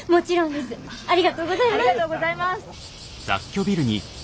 ありがとうございます！